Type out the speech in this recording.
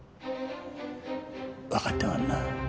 わかってまんな？